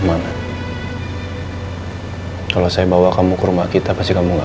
yang ngebuat aku terpenjara